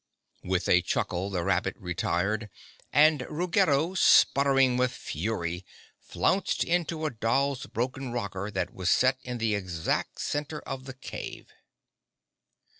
With a chuckle, the rabbit retired, and Ruggedo, spluttering with fury, flounced into a doll's broken rocker that was set in the exact center of the cave.